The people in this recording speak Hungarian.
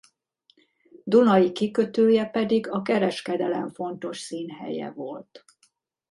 Dunai kikötője pedig a kereskedelem fontos színhelye volt.